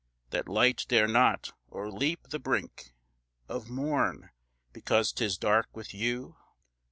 That light dare not o'erleap the brink Of morn, because 'tis dark with you?